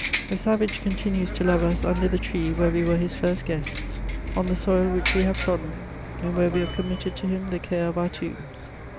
The savage continues to love us under the tree where we were his first guests, on the soil which we have ti^odden, and where we have committed to him the care of our tomhs.